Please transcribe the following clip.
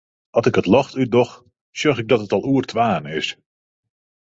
At ik it ljocht útdoch, sjoch ik dat it al oer twaen is.